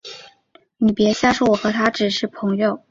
你别瞎说，我和他只是朋友